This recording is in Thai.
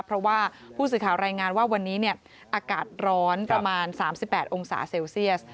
เพราะว่าผู้สื่อข่าวรายงานว่าวันนี้อากาศร้อนประมาณ๓๘องศาเซลเซียส